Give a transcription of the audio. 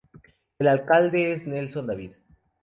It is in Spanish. El alcalde es Nelson David.